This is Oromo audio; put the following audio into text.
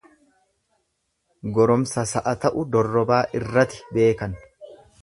Goromsa sa'a ta'u dorrobaa irrati beekan.